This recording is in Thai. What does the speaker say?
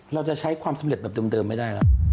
เราจะใช้ความสำเร็จแบบเดิมไม่ได้แล้ว